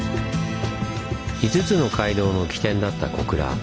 ５つの街道の起点だった小倉。